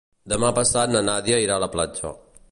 Demà passat na Nàdia irà a la platja.